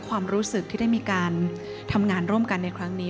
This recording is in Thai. ความรู้สึกที่ได้มีการทำงานร่วมกันในครั้งนี้